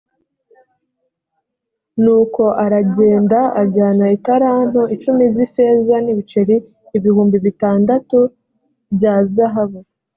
nuko aragenda ajyana italanto icumi z’ifeza n’ibiceri ibihumbi bitandatu bya zahabu